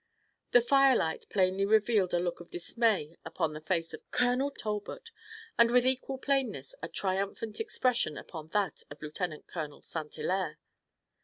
The firelight plainly revealed a look of dismay upon the face of Colonel Talbot, and with equal plainness a triumphant expression upon that of Lieutenant Colonel St. Hilaire.